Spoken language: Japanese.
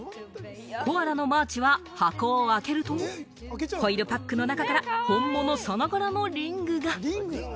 コアラのマーチは箱を開けると、ホイルパックの中から本物さながらのリングが。